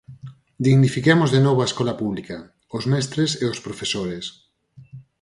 Dignifiquemos de novo a escola pública, os mestres e os profesores.